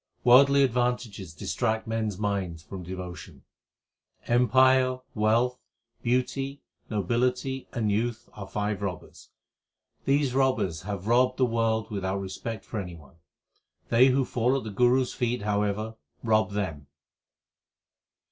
HYMNS OF GURU NANAK 377 Worldly advantages distract men s minds from devotion : Empire, wealth, beauty, nobility, and youth .in ii\< robbers ; These robbers have robbed the world without respect 1m any one. They who fall at the Guru s feet, however, rob them.